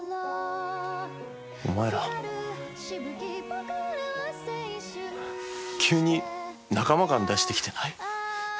お前ら急に仲間感出してきてない？